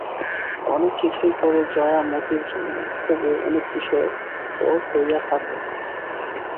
অনেক কিছুই করে জয়া মতির জন্য, তবু অনেক বিষয়ে পর হইয়া থাকে।